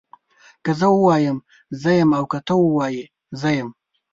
که زه ووایم زه يم او که ته ووايي زه يم